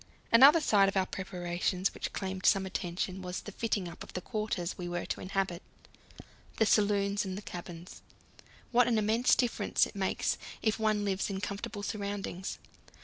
Another side of our preparations which claimed some attention was the fitting up of the quarters we were to inhabit, the saloons and cabins. What an immense difference it makes if one lives in comfortable surroundings.